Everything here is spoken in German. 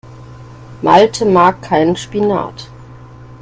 Malte mag keinen Spinat.